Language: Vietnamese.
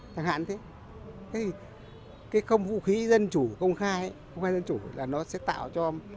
thẳng hạn thế cái công vũ khí dân chủ công khai công khai dân chủ là nó sẽ tạo cho